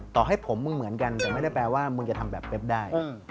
ต่อให้ผมมึงเหมือนกันแต่ไม่ได้แปลว่ามึงจะทำแบบเป๊บได้